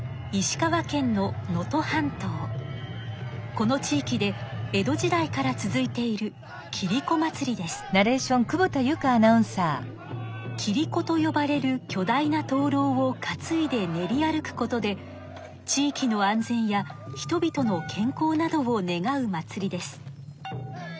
この地域で江戸時代から続いているキリコとよばれるきょ大なとうろうを担いで練り歩くことで地域の安全や人々の健康などを願う祭りです。